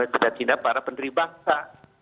cita cina para pendiri bangsa